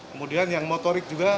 kemudian yang motorik juga